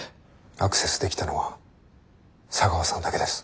アクセスできたのは茶川さんだけです。